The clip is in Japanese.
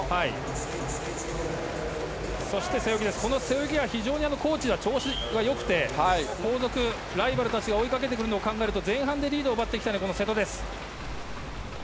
背泳ぎは非常に調子が良くて後続、ライバルたちが追いかけてくるのを考えると前半でリードを奪っていきたい瀬戸。